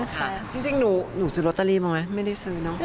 จริงหนูซื้อลอตเตอรี่มาไหมไม่ได้ซื้อเนอะ